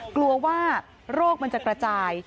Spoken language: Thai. กลัวว่าโรคมันจะกระจาย